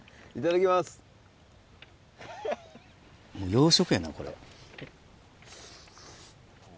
洋食やなこれ。